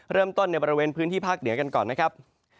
เริ่มต้นในบริเวณพื้นที่ภาคเหนือกันก่อนนะครับ